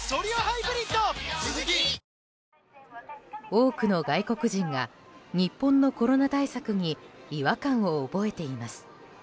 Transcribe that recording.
多くの外国人が日本のコロナ対策に違和感を覚えています。